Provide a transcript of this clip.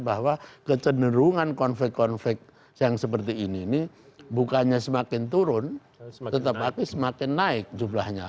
bahwa kecenderungan konflik konflik yang seperti ini ini bukannya semakin turun tetapi semakin naik jumlahnya